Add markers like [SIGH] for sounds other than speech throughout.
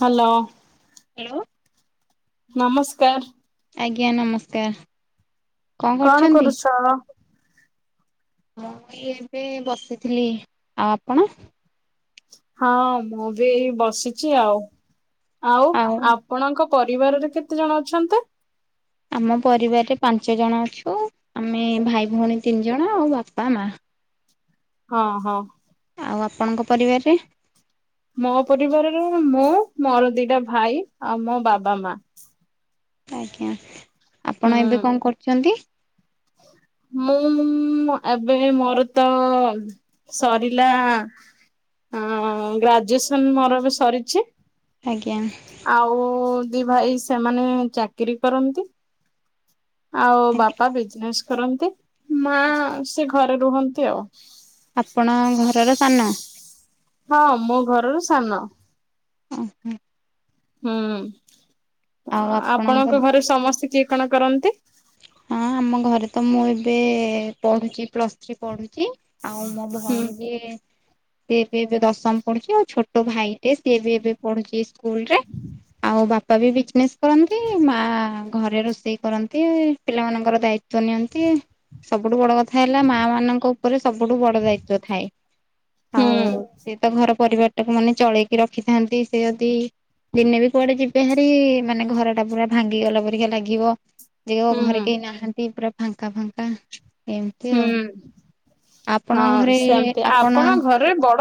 Hello. Hello ନମସ୍କାର। ଆଜ୍ଞା ନମସ୍କାର। କଣ କରୁଛ। ହଁ ଇଏ ଏବେ ବସିଥିଲି ଆଉ ଆପଣ। ହଁ ମୁଁ ବି ଏଇ ବସିଛି ଆଉ ଆଉ ଆପଣ। ଆପଣଙ୍କ ପରିବାରରେ କେତେ ଜଣ ଅଛନ୍ତି। ଆମ ପରିବାରରେ ପାଞ୍ଚ ଜଣ ଅଛୁ ଆମେ ଭାଇ ଭଉଣୀ ତିନି ଜଣ ଆଉ ବାପା ମା। ହଁ ହଁ। ଆଉ ଆପଣଙ୍କ ପରିବାରରେ। ମୋ ପରିବାରର ମୁଁ ମୋର ଦିଟା ଭାଇ ଆଉ ମୋ ବାବା ମା। ଆଜ୍ଞା ଆପଣ ହୁଁ। ଏବେ କଣ କରୁଛନ୍ତି ମୁଁ [UNINTELLIGIBLE] ଏବେ ମୋର ତ ସରିଲା। ହଁ ଗ୍ରାଜୁଏସନ ମୋର ଏବେ ସରିଛି। ଆଜ୍ଞା। ଆଉ ଦି ଭାଇ ସେମାନେ ଚାକିରୀ କରଛନ୍ତି। ଆଉ ବାପା ବିଜନେସ୍ କରନ୍ତି ମା ସେ ଘରେ ରୁହନ୍ତି ଆଉ। ଆପଣ ଘରର ସାନ। ହଁ ମୋ ଘରରୁ ସାନ। ଓହୋ ହଁ। ହୁଁ ଆପଣଙ୍କ ଘରେ ସମସ୍ତେ କିଏ କଣ କରନ୍ତି। ହଁ ଆମ ଘରେ ତ ମୁଁ ଏବେ ପଢୁଛି ପ୍ଲସ୍ ଥ୍ରୀ ପଢ଼ୁଛି। ଆଉ ମୋ ହୁଁ ଭଉଣୀ ଯେ। ସିଏ ବି ଏବେ ଦଶମ ପଢୁଛି ଆଉ ଛୋଟ ଭାଇ ଟେ ସିଏ ବି ଏବେ। ପଢୁଛି ସ୍କୁଲ ରେ ଆଉ ବାପା। ବାପା ବି ବିଜନେସ୍ କରନ୍ତି ମା ଘରେ ରୋଷେଇ କରନ୍ତି। ହେଁ ପିଲାମାନଙ୍କର ଦାୟିତ୍ୟ ନିଅନ୍ତି। ସବୁଠୁ ବଡ କଥା ହେଲା ମା ମାନଙ୍କ ଉପରେ ସବୁଠୁ ବଡ ଦାୟିତ ଥାଏ। ହୁଁ ଆଉ ସେ ତ ଘର ପରିବାର ଟାକୁ ମାନେ ଚଳେଇକି ରଖିଥାନ୍ତି ସେ ଯଦି। ଦିନେ ବି କୁଆଡେ ଯିବେ ଭାରି ମାନେ ଘର ଟା ପୁରା ଭାଙ୍ଗିଗଲା ପରିକା ଲାଗିବ। ଯେ ହୁଁ ଘରେ କେହି ନାହାନ୍ତି ପୁରା ଫାଙ୍କା ଫାଙ୍କା। ଏମତି ଆଉ ହୁଁ ଆପଣଙ୍କ ହଁ ଘରେ ସେମତି ଆପଣ ଘରେ ବଡ?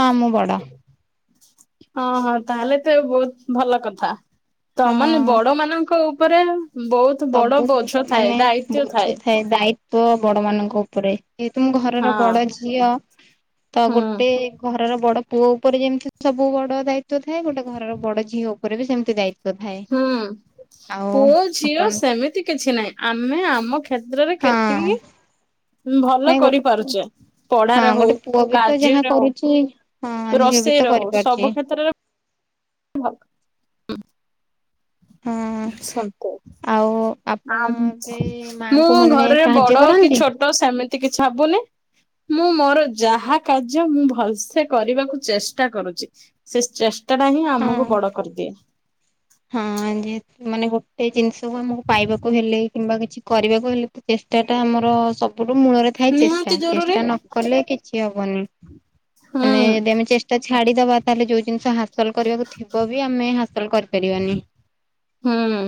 ହଁ ମୁଁ ବଡ। ହଁ ହଁ ତାହେଲେ ତ ବହୁତ ଭଲ କଥା। ତ ମାନେ ହଁ ବଡ ମାନଙ୍କ ଉପରେ ବହୁତ। ବଡ ସବୁ ବୋଝ ଥାଏ ମାନେ ଦାୟିତ୍ଵ ଭୁଝୁ ଥାଏ ଦାୟିତ୍ୟ। ପୁଅ ବଡ ମାନଙ୍କ ଉପରେ ଯେହେତୁ ମୁ ଘରର ହଁ ବଡ ଝିଅ ତ ହୁଁ ଗୋଟେ। ଘରର ବଡ ପୁଅ ଉପରେ ଯେମିତି ସବୁ ବଡ ଦାୟିତ୍ଵ ଥାଏ ଗୋଟେ ଘରର ବଡ ଝିଅ ଉପରେ ବି ସେମିତି ଦାୟିତ୍ବ। ହଁ [UNINTELLIGIBLE] ପୁଅ ଝିଅ ଆପଣ ସେମିତି କିଛି ନାହିଁ ଆମେ ଆମ କ୍ଷେତ୍ରରେ କେତିକି। ହଁ ହଁ ଭଲ ନାଇଁ ଗୋଟେ କରିପାରୁଛେ ହଁ ପଢାରେ ହଉ ଗୋଟେ ପୁଅ ବି ତ ଯାହା କାର୍ଯ୍ୟରେ ହଉ। କରୁଛି ହଁ ଝିଅ ବି ରୋଷେଇ ତ ର ହେଉ କରିପାରୁଛି ସବୁ କ୍ଷେତ୍ରରେ। ଭଲ ହଁ ସାଗୁ। ଆଉ ଆ ଆପଣ ଏବେ ମାଙ୍କୁ ମୁଁ ମାନେ ଘରେରେ ସାହାଯ୍ୟ ବଡ କି କରନ୍ତି ଛୋଟ ସେମିତି କିଛି ହବୁନି। ମୁଁ ମୋର ଯାହା କାର୍ଯ୍ୟ ମୁଁ ଭଲସେ କରିବାକୁ ଚେଷ୍ଟା କରୁଛି। ସେ ଚେଷ୍ଟା ଟା ହିଁ ଆମକୁ ହଁ ବଡ କରିଦିଏ। ହଁ ଯେହେତୁ ମାନେ ଗୋଟେ ଜିନିଷକୁ ଆମକୁ ପାଇବାକୁ ହେଲେ କିମ୍ବା କିଛି କରିବାକୁ ହେଲେ ଚେଷ୍ଟା ଟା ଆମର ସବୁଠୁ ମୂଳରେ ଥାଏ ନିହାତି ଚେଷ୍ଟା ଜରୁରୀ ଚେଷ୍ଟା ନକଲେ କିଛି ହବନି। ମାନେ ହୁଁ ଯଦି ଆମେ ଚେଷ୍ଟା ଛାଡିଦବା ତାହେଲେ ଯୋଉ ଜିନିଷ ହାସଲ କରିବାକୁ ଥିବ ବି ଆମେ ହାସଲ କରିବା ବିରିୟାନୀ [UNINTELLIGIBLE] ହୁଁ।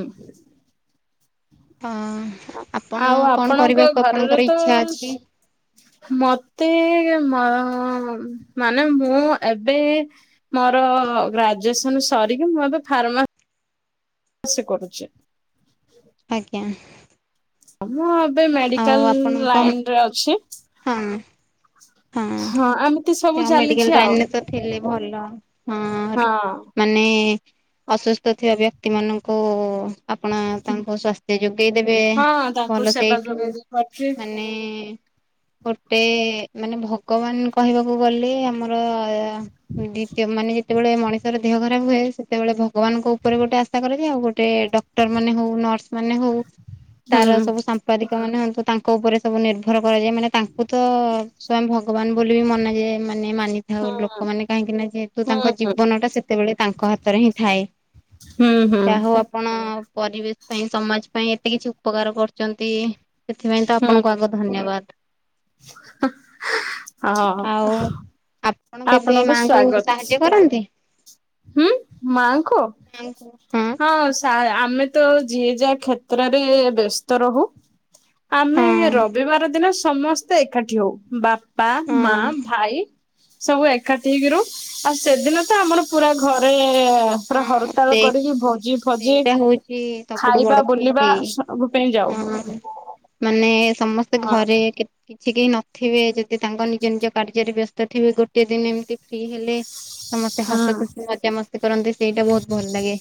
ହଁ। ଆପଣ ଆଉ କଣ ଆପଣଙ୍କ କରିବାକୁ ଘରର ଆପଣଙ୍କର ତ ଇଚ୍ଛା ଅଛି? ମତେ ମ ମାନେ ମୁଁ ଏବେ ମୋର ଗ୍ରାଜୁଏସନ୍ ସରିକି ମୁଁ ଏବେ ଫାର୍ମାସି କରୁଚି। ଆଜ୍ଞା। ମୁଁ ଏବେ ଆଉ ମେଡିକାଲ୍ ଆପଣଙ୍କ ଲାଇନରେ ଅଛି। ହଁ ହଁ ଆମେ [UNINTELLIGIBLE] ମେଡିକାଲ ଲାଇନ୍‌ରେ ଥିଲେ ତ ଭଲ ହଁ ହଁ। ସେଇ ମାନେ ଅସୁସ୍ଥ ଥିବା ବ୍ୟକ୍ତି ମାନଙ୍କୁ ଆପଣ ତାଙ୍କ ସ୍ୱାସ୍ଥ୍ୟ ଯୋଗେଇ ଦେବେ ହଁ ତାଙ୍କୁ ଭଲ ସେବା ସେଇଠୁ ଯୋଗେଇ ଦେଇ ପାରୁଛି ମାନେ ଗୋଟେ ମାନେ ଭଗବାନ କହିବାକୁ ଗଲେ ଆମର ଅ ଦ୍ୱିତୀୟ ମାନେ ଯେ ଯେତେବେଳେ ମଣିଷର ଦେହ ଖରାପ ହୁଏ। ସେତେବେଳେ ଭଗବାନଙ୍କ ଉପରେ ଗୋଟେ ଆଶା କରାଯାଏ ଆଉ ଗୋଟେ ଡ ଡକ୍ଟର ମାନ ହୋଉ ନର୍ସ ମାନେ ହୋଉ। ଁ [INAUDIBLE] ତାର ସବୁ ସାମ୍ପାଦିକ ମାନେ ହୁଅନ୍ତୁ। ତାଙ୍କ ଉପରେ ସବୁ ନିର୍ଭର କରାଯାଏ ମାନେ ତାଙ୍କୁ ତ ସ୍ଵୟଂ ଭଗ୍ ଭଗବାନ ବୋଲି ମନେ ମାନେ ମାନିଥାଉ ହୁଁ। ଲୋକମାନେ କାହିଁକି ନା ଯେହେତୁ ହୁଁ ତାଙ୍କ ହୁଁ ଜୀବନ ଟା ସେତେବେଳେ ତାଙ୍କ ହାତରେ ହିଁ ଥାଏ। [UNINTELLIGIBLE] ହୁଁ ଯାହା ହଉ ଆପଣ ପରିବେ [UNINTELLIGIBLE] ପାଇଁ ସମାଜ ପାଇଁ ଏତେ କିଛି ଉପକାର କରୁଛନ୍ତି ସେଥିପାଇଁ ତ ହୁଁ ଆପଣଙ୍କୁ ଆଗ ଧନ୍ୟବାଦ। ହଁ ଆଉ ଆପଣ କେବେ ଆପଣଙ୍କୁ ମାଙ୍କୁ ସ୍ଵାଗତ୍। ସାହାଯ୍ୟ କରନ୍ତି? ହୁଁ ମାଆଙ୍କ? ହଁ ହଁ ଶା ଆମେ ତ ଯିଏ ଯାଆ କ୍ଷେତ୍ରରେ ବ୍ୟସ୍ତ ରହୁ। ଆମେ ହଁ ରବିବାର ଦିନ ସମସ୍ତେ ଏକାଠି ହଉ। ବା ବାପା ମା ହଁ ଭାଇ ସବୁ ଏକାଠି ହେଇକି ରହୁ ଆଉ ସେଦିନ ତ ଆମର ପୁରା ଘରେ ପୁରା ହଁ ହରତାଳ ସେଇ କରିକି ଭୋଜି ଫୋଜି ସେଇଟା ହଉଛି ସବୁଠୁ ବଡ ଖାଇବା ବୁଲିବା ଖୁସି ସବୁ ପାଇଁ ଯାଉ। ହଁ ମାନେ ସମସ୍ତେ ହଁ ଘରେ କେ କିଛି କେହି ନଥିବେ ଯଦି ତାଙ୍କ ନିଜ ନିଜ କାର୍ଯ୍ୟରେ ବ୍ୟସ୍ତ ଥିବେ ଗୋଟେ ଦିନ ଏମିତି ଫ୍ରି ହେଲେ ସମସ୍ତେ ହଁ ହସ ଖୁସି ମଜାମସ୍ତି କରନ୍ତି। ସେଇଟା ବହୁତ ଭଲ ଲାଗେ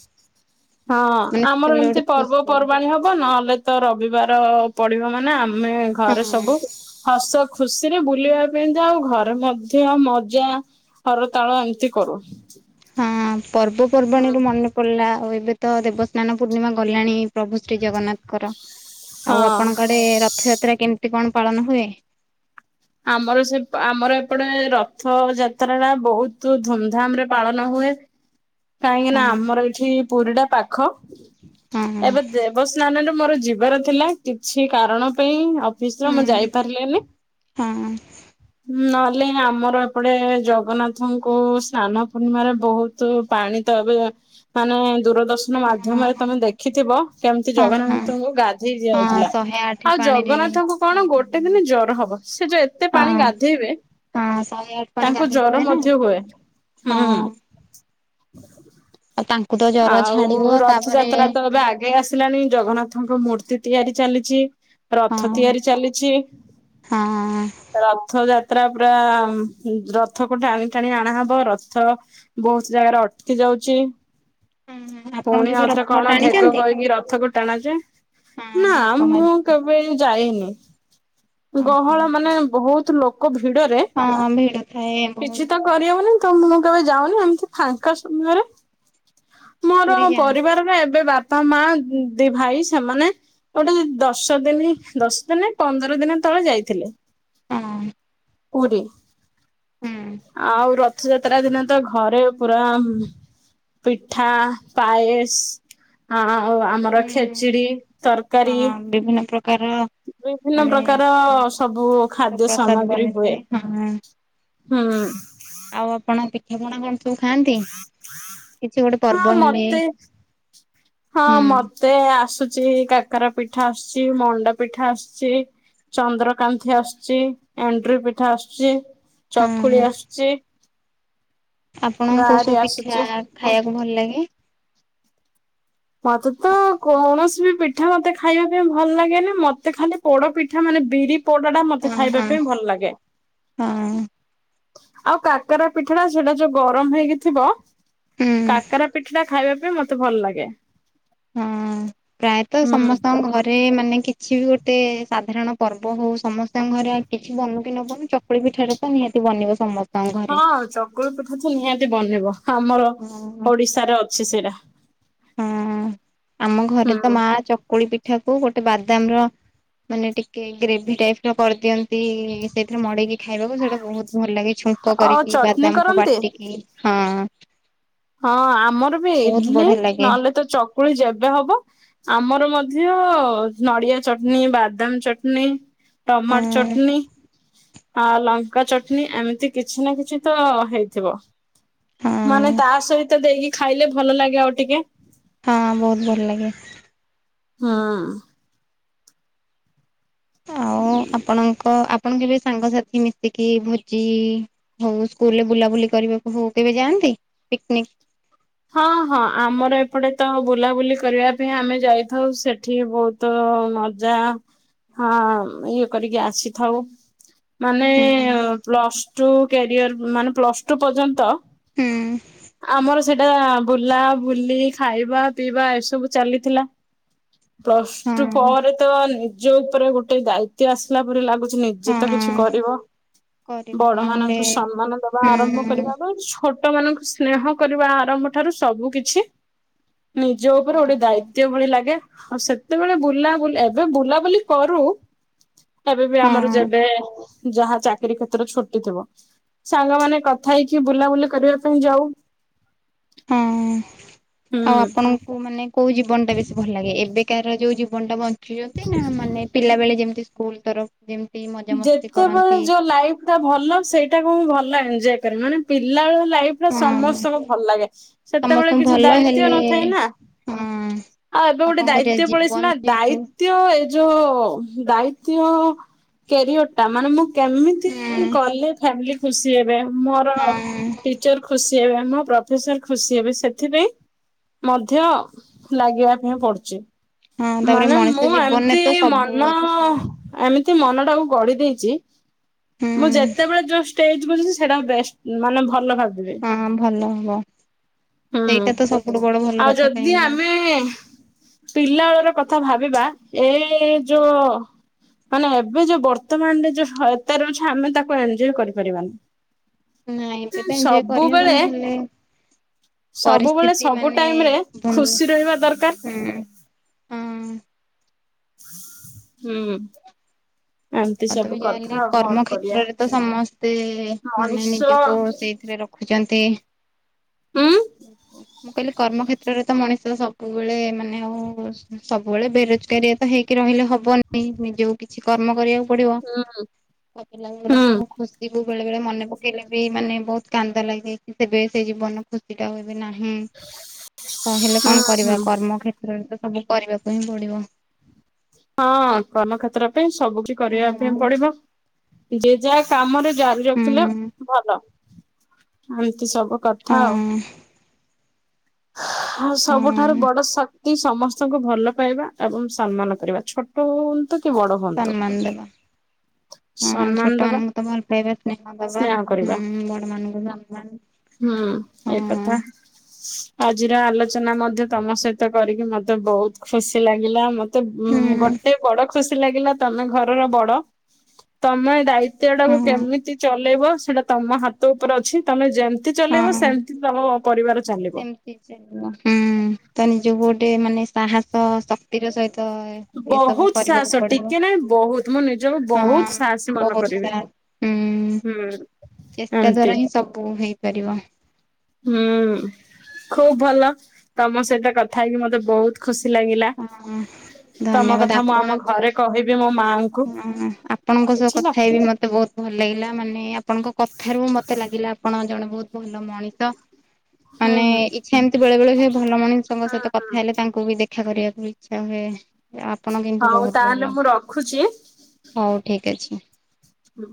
ହଁ ମାନେ ଆମର ସେତେବେଳେ ଗୋଟେ ଏମିତି ଖୁସି ପର୍ବପର୍ବାଣ ହବ। ନହେଲେ ତ ରବିବାର ପଡିବ ମାନେ ଆମେ ହଁ ଘରେ ସବୁ ହସ ଖୁସିରେ ବୁଲିବା ପାଇଁ ଯାଉ ଘରେ ମଧ୍ୟ ମଜା ହର ତାଳ ଏମିତି କରୁ। ହଁ ପର୍ବପର୍ବାଣୀ ର ମନେ ପଡ଼ିଲା ଆଉ ଏବେ ତ ଦେବସ୍ନାନ ପୂର୍ଣ୍ଣିମା ଗଲାଣି ପ୍ରଭୁ ଶ୍ରୀ ଜଗନ୍ନାଥଙ୍କର। ଆଉ ହଁ ଆପଣଙ୍କଆଡେ ରଥଯାତ୍ରା କେମିତି, କଣ ପାଳନ ହୁଏ? ଆମର ସେ ଆମର ଏପଟେ ରଥ ଯାତ୍ରା ଟା ବହୁତ ଧୁମଧାମ ରେ ପାଳନ ହୁଏ। କାହିଁକି ନା ହଁ ଆମର ଏଇଠି ପୁରୀ ଟା ପାଖ। ହଁ ଏବେ ଅବସ୍ନାନରେ ମୋର ଯିବାର ଥିଲା କିଛି କାରଣ ପାଇଁ ଆଉ ହଁ ବିଷମ ଯାଇପାରିଲେନି ହଁ ନା କଲେ ଆମର ଏପଟେ ଜଗନ୍ନାଥଙ୍କୁ ସ୍ନାନ ପୂର୍ଣ୍ଣିମାରେ ବହୁତ ପାଣି ତ ଏବେ ମାନେ ଦୂରଦର୍ଶନ ହଁ ମାଧ୍ୟମରେ ତମେ ଦେଖିଥିବ। କେମିତି ହଁ ହଁ ଜଗନ୍ନାଥଙ୍କୁ ଗାଧେଇ ହଁ ଯାଉଥିଲା ଶହେ ଆଠ ଆଉ ପାଣିରେ ଜଗନ୍ନାଥଙ୍କୁ କଣ ଗୋଟେ ଗାଧେଇଲେ ଦିନ ଜର ହବ। ସେ ଯୋଉ ଏତେ ପାଣି ହଁ ଗାଧେଇବେ ହଁ ଶହେ ଆଠ ପାଣି ତାଙ୍କୁ ଜର ଗାଧେଇଥିବେ ନା ମଧ୍ୟ ହୁଏ। ହଁ ହ ତାଙ୍କ ଆଉ ରଥଯାତ୍ରା ତ ଏବେ ଆଗେଇ ଆସିଲାଣି ଜଗନ୍ନାଥଙ୍କ ମୂର୍ତ୍ତି ତିଆରି ଚାଲିଛି। ହଁ ରଥ ହଁ। ତିଆରି ଚାଲିଛି ହଁ ରଥ ଯା ଯାତ୍ରା ପୁରା ରଥକୁ ଟାଣି ଟାଣି ଆଣାହବ ରଥ ବହୁତ ଜାଗାରେ ଅଟକି ଯାଉଛି। ଆପଣ ପୁଣି କେବେ ଆଉଥରେ ରଥ କଣ ଢେଗ ଟାଣିଛନ୍ତି କରକି ରଥକୁ ଟାଣା ଯେ ହଁ ନା ଢଗ ମୁଁ ମାରିକି ଯାଇନି ଓହୋ। ଗହଳ ମାନେ ବହୁତ ଲୋକ କୋ ଭିଡରେ ହଁ ଭିଡ ଥାଏ କିଛି ବହୁତ ତ କରିହବନି ତ ମୁଁ କେବେ ଯାଉନି ଏମିତି ଫାଙ୍କା ସମୟରେ ମୋର ପୁରୀ ଯାଆନ୍ତି ପରିବାରରେ ଏବେ ବାପା ମା ଦି ଭାଇ ସେମାନେ ଗୋଟେ ଦଶ ଦିନ ଦଶ ଦିନ ପନ୍ଦର ଦିନ ତଳେ ଯାଇଥିଲେ। ହଁ ପୁରୀ ହୁଁ। ଆଉ ରଥଯାତ୍ରା ଦିନେ ତ ଘରେ ପୁରା। ପିଠା ପାୟସ ଆଉ ଆମର ହୁଁ ଖେଚିଡି ତରକାରୀ। ହଁ ବିଭିନ୍ନ ପ୍ରକାର [INAUDIBLE] ବିଭିନ୍ନ ମାନେ ପ୍ରକାର ସବୁ ଖାଦ୍ୟ ପ୍ରସାଦ ସାମଗ୍ରୀ ହୁଏ। ବନିଥାଏ ହଁ। ହୁଁ। ଆଉ ଆପଣ ପିଠାପଣା କଣ ସବୁ ଖାଆନ୍ତି କିଛି ଗୋଟେ ହଁ ପର୍ବ ହେଲେ। ମତେ ହଁ ହୁଁ। ମତେ ଆସୁଚି କାକରା ପିଠା ଆସୁଛି ମଣ୍ଡା ପିଠା ଆସୁଛି। ଚନ୍ଦ୍ରକାନ୍ତି ଆସୁଛି ଏନ୍ଦୁରି ପିଠା ଆସୁଛି। ହଁ ଚକୁଳି ଆସୁଛି। ଆପଣ କୋଉ ଗାରି ସବୁ ପିଠା ଆସୁଛି ଖାଇବାକୁ ଭଲ ଲାଗେ? ମତେ ତ କୌଣସି ବି ପିଠା ମତେ ଖାଇବା ପାଇଁ ଭଲ ଲାଗେନ ମତେ ଖାଲି ପୋଡ ପିଠା ମାନେ ବିରି ପୋଡା ଟା ହଁ ମତେ ଖାଇବା ହଁ ପାଇଁ ଭଲ ଲାଗେ। ହଁ ଆଉ କାକରା ପିଠାଟା ସେଟା ଯୋଉ ଗରମ ହେଇକି ଥିବ ହୁଁ କାକରା ପିଠା ଟା ଖାଇବା ପାଇଁ ମତେ ଭଲ ଲାଗେ। ହଁ ପ୍ରାୟତଃ ହୁଁ ସମସ୍ତଙ୍କ ଘରେ ମାନେ କିଛି ବି ଗୋଟେ ସାଧାରଣ ପର୍ବ ହଉ ସମସ୍ତଙ୍କ ଘରେ କିଛି ବନୁ କି ନ ବନୁ ଚ ଚକୁଳି ପିଠାରେ ତ ନିହାତି ବନିବ ସମସ୍ତେ ହଁ ଚକୁଳି ପିଠା ତ ନିହାତି ବନେଇବ ଆମର ହଁ ଓଡିଶାରେ ଅଛି ସେଇଟା। ହଁ ଆମ ଘରେ ତ ହୁଁ ମା ଚକୁଳି ପିଠାକୁ ଗୋଟେ ବାଦାମର ମାନେ ଟିକେ ଗ୍ରେଭି ଟାଇପର କରିଦିଅନ୍ତି ସେଇଥିରେ ମଡେଇକି ଖାଇବାକୁ ସେଇଟା ବହୁତ ଭଲ ଲାଗେ ଛୁଙ୍କ ଆଉ କରିକି ଚଟନୀ ବାଦାମକୁ କରନ୍ତି? ବାଟିକି ହଁ ହଁ ଆମର ବି ବହୁତ ଇଡଲି ବଢିଆ ଲାଗେ। ନହେଲେ ତ ଚକୁଳି ଯେବେ ହବ। ଆମର ମଧ୍ୟ ନଡିଆ ଚଟନୀ ବାଦାମ ଚଟଣି। ଟମାଟ ହଁ ଚଟଣି। ଆ ଲଙ୍କା ଚଟଣିୀ ଏମିତି କିଛି ନା କିଛି ତ ହେଇଥିବ ହଁ ମାନେ ତା ସହିତ ଦେଇକି ଖାଇଲେ ଭଲ ଲାଗେ ଆଉ ଟିକେ। ହଁ ବହୁତ ଭଲ ଲାଗେ। ହଁ। ଆଉ ଆପଣଙ୍କ ଆପଣ କେବେ ସାଙ୍ଗସାଥି ମିଶିକି ଭୋଜି। ହଉ ସ୍କୁଲ ରେ ବୁଲାବୁଲି କରିବାକୁ ହଉ କେବେ ଯାଆନ୍ତି ପିକନିକ ହଁ ହଁ ଆମର ଏପଟେ ତ ବୁଲାବୁଲି କରିବା ପାଇଁ ଆମେ ଯାଇଥାଉ ସେଠି ବହୁତ। ତ ମଜା ହଁ ଇଏ କରିକି ଆସିଥାଉ। ମାନେ ହୁଁ ପ୍ଲସ ଟୁ କ୍ୟାରିଅର ମାନେ ପ୍ଲସ୍ ଟୁ ପର୍ଯ୍ୟନ୍ତ। ହୁଁ। ଆମର ସେଟା ବୁଲା ବୁଲି ଖାଇବା ପିଇବା ଏସବୁ ଚାଲିଥିଲା। ପ୍ଲସ୍ ଟୁ ହଁ ପରେ ତ ନିଜ ଉପରେ ଗୋଟେ ଦାୟିତଵ ଆସିଲା ପରେ ଲାଗୁଛି। ଜିତ ହଁ କିଛି କରିବ କରିବୁ ବଡ ନହେଲେ ମାନଙ୍କୁ ସମ୍ମାନ ଦବା ଆରମ୍ଭ ହୁଁ କରିବା ପାଇଁ ଛୋଟ ଛଟ ମାନଙ୍କୁ ସ୍ନେହ କରିବା ଆରମ୍ଭ ଠାରୁ ସବୁ କିଛି। ନିଜ ଉପରେ ଗୋଟେ ହଁ ଦାୟିତ୍ୱ ଭଳି ଲାଗେ ଆଉ ସେତେବେଳେ ବୁଲାବୁ ଏବେ ବୁଲାବୁଲି କରୁ। ଏବେ ବି ଆମର ହଁ ଯେବେ ଯାହା ଚାକିରୀ କ୍ଷେତ୍ରରେ ଛୁଟି ଥିବ। ସାଙ୍ଗ ମାନେ କଥା ହେଇକି ବୁଲାବୁଲି କରିବା ପାଇଁ ଯାଉ। ହଁ ଆଉ ହୁଁ ଆପଣଙ୍କୁ ମାନେ କୋଉ ଜୀବନ ଟା ବେଶୀ ଭଲ ଲାଗେ ଏବେକାର ଯୋଉ ଜୀବନ ଟା ବ ଶଖିଛନ୍ତି ନା ମାନେ ପିଲା ବେଳେ ଯେମତି ସ୍କୁଲ ତରଫ ଯେମିତି ମଜାମସ୍ତି ଯେତେବେଳେ କରନ୍ତି। ଯୋଉ ଲାଇଫ ଭଲ ସେଇଟାକୁ ମୁଁ ଭଲ ଏଞଜୟ କରି ମାନେ ପିଲାବେ ଲାଇଫ ସୋ ହଁ ସମସ୍ତଙ୍କୁ ଭଲ ଲାଗେ ସେତେବେଳେ ସମସ୍ତଙ୍କୁ କିଛି ଭଲ ଦାୟିତଵ ହେଲେ ନଥାଏ ନା। ହଁ। ହଁ ଏବେ ଆଉ ଗୋଟେ କଣ କରିବା ଦାୟିତ୍ୱ ଜୀବନ ପଳେଇଥିଲା ଦ ଯେହେତୁ ଦ ଏ ଯୋଉ ଦାୟିତ୍ୟ କ୍ୟାରିଅର ଟା ମାନେ ମୁଁ କେମିତି ହୁଁ କଲେ ଫ୍ୟାମିଲି ଖୁସି ହେବେ ମୋର। ହଁ ଖୁସି ହେବେ ଆମ ପ୍ରଫେସର ଖୁସି ହେବେ ସେଥିପାଇଁ ମଧ୍ୟ। ଲାଗିବା ପାଇଁ ପଡୁଛି। ହଁ ତାପରେ ମାନେ ମୁଁ ମଣିଷ ଜୀବନରେ ଏମିତି ତ ସବୁ ମନ ଅଛି। ଏମିତି ମନ ଟାକୁ ଗଢି ଦେଇେଇଛି। ହୁଁ ମୁଁ ଯେତେବେଳେ ଯୋଉ ଷ୍ଟେଜ ବୁଝଛି ସେଇଟା ବେଷ୍ଟ ମାନେ ଭଲ ଭାବୁି ହଁ ଭଲ ହବ। ହୁଁ ସେଇଟା ତ ସବୁଠୁ ବଡ ଭଲ ଆଉ କଥା ଯଦି କାହିଁକି ନା ଆମେ। ପିଲାବେଳର କଥା ଭାବିବା ଏ ଯୋଉ। ମାନେ ଏବେ ଯୋଉ ବର୍ତ୍ତମାନରେ ଯୋଉ ସୟତାାରେ ଅଛି ଆମେ ତାକୁ ଏନଜୟ ନାଇଁ ଏବେ କରିପାରିବାନି। ତ ଏଞ୍ଜୟ ସବୁବେଳେ। କରିହବନି ହେଲେ ସବୁବେଳେ ପରିସ୍ଥିତି ସବୁ ମାନେ ଟାଇମ ରେ ହୁଁ ଖୁସି ରହିବା ଦରକାର। ହୁଁ। ହୁଁ। ଏମିତି ଆଉ ସବୁ ତମ କଥା ଯାଲେ ଆଉ କଣ କର୍ମ କରିବା। କଖେତ୍ରରେ ତ ସମସ୍ତେ ମାନେ ମଣିଷ ନିଜକୁ ସେଇଥିରେ ର ରଖୁଛନ୍ତି। ଉଁ ଆଜ୍ ହା ମୁଁ କହିଲି କର୍ମ କଖେତ୍ରରେ ତ ମଣିଷ ସବୁବେଳେ ମାନେ ଆଉ ସବୁବେଳେ ବେରୋଜଗାରୀ। ତ ହେଇକି ରହିଲେ ହବନି ନିଜଉ। କିଛି କର୍ମ କରିବାକୁ ପଡିବ ହୁଁ ପିଲାର ହୁଁ ସବୁ ଖୁସି। ବେଳେ ବେଳେ ମନେ ପକେଇଲେ ବି ମାନେ ବହୁତ କାନ୍ଦ ଲାଗିଯାଇଛି ସେବେ ସେ ଜୀବନ। ଖୁସି ଟା ହୁଏବ ନାହିଁ ତ ହେଲେ କଣ ହୁଁ କରିବା କର୍ମ କେତ୍ର। [UNINTELLIGIBLE] ସବୁ କରିବାକୁ ହିଁ ପଡିବ। ହଁ କର୍ମକ୍ଷେତ୍ର ପାଇଁ ସବୁ କିଛି କରିବା ପାଇଁ ହଁ ପଡିବ। ଯେ ଯାହା କାମରେ ଜାରି ହୁଁ ରଖିଲେ ଭଲ। ଏମିତି ସବୁ କଥା ଆଉ। [INAUDIBLE] ଆଉ ସବୁଠାରୁ ହଁ ବଡ ଶ କ୍ତି ସମସ୍ତଙ୍କୁ ଭଲ ପାଇବା ଏବଂ ସମ୍ମାନ କରିବା। ଛୋଟ ହୁଅନ୍ତୁ କି ବଡ ହୁଅନ୍ତୁ। ସମ୍ମାନ ଦେବା। ହଁ ସମ୍ମାନ ଛୋଟ ଦବା ମାନଙ୍କୁ ତ ଭଲ ପାଇବା, ସ୍ନେହା ଦବା। ସ୍ନେହ କରିବା ହୁଁ ବଡମାନଙ୍କୁ ସମ୍ମାନ ହୁଁ ହଁ ଏ କଥା। ଆଜିର ଆଲୋଚନା ମଧ୍ୟ ତମ ସହିତ କରିକି ମତେ ବହୁତ ଖୁସି ଲାଗିଲା। ମତେ ଉଁ ହୁଁ ଗୋଟେ ବଡ ଖୁସି ଲାଗିଲା ତମେ ଘରର ବଡ। ତମେ ଦାୟି ତ୍ୱ ଟାକୁ ହଁ କେମିତି ଚଲେଇବ ସେଇଟା ତମ ହାତ ଉପରେ ଅଛି। ତମେ ଯେମିତି ଚଲେଇବ ହଁ ସେମ୍ ତିି ତମ ପରିବାର ଚାଲିବ। ସେମିତି ହୁଁ ତ ନିଜକୁ ଗୋଟେ ମାନେ ସାହସ, ଶକ୍ତିର ସହିତ ଏସବୁ ବହୁତ କରିବାକୁ ସାହସ ପଡିବ। ଟିକେ ନାଇ ବହୁତ ମୁଁ ନିଜକୁ ହଁ ବହୁତ ସାହସୀ ମନେ ବହୁତ କରିବି। ସାରା ହୁଁ। ଚେଷ୍ଟା ଏମତି ଦ୍ଵାରା ହିଁ ସବୁ ହେଇପାରିବ। ହୁଁ। ଖୁବ୍ ଭଲ। ତମ ସହିତ କଥା ହେଇକି ମତେ ବହୁତ ଖୁସି ଲାଗିଲା। ହଁ ତମ ଧନ୍ୟବାଦ କଥା ମୁଁ ଆପଣ ଆମ ବି ଘରେ କହିବି ମୋ ମାଙ୍କୁ। ହଁ ଆପଣଙ୍କ ସହ ବୁଝିଲ କଥା ହେଇବି ମତେ ବହୁତ ଭଲ ଲାଗିଲା, ମାନେ ଆପଣଙ୍କ କଥାରୁ ମତେ ଲାଗିଲା ଆପଣ ଜଣେ ବହୁତ ଭଲ ମଣିଷ। ହୁଁ। ମାନେ ଇଚ୍ଛା ଏମିତି ବେଳେବେଳେ ହୁଏ। ଭଲ ମଣିଷଙ୍କ ହୁଁ ସହିତ ହୁଁ କଥା ହେଲେ ତାଙ୍କୁ ବି ଦେ ଦେଖା କରିବାକୁ ଇଚ୍ଛା ହୁଏ। ଆପଣ କିନ୍ତୁ ହଉ ବହୁତ ତାହେଲେ ଭଲ। ମୁଁ ରଖୁଛି। ହୁଁ। ହଉ ଠିକ୍ ଅଛି। ହୁଁ।